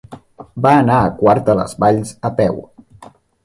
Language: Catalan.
Va anar a Quart de les Valls a peu.